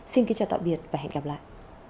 xin kính chào tạm biệt và hẹn gặp lại